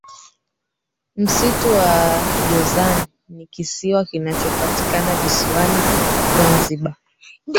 Msitu wa jozani ni kisiwa kinachopatikana visiwani Zanzibar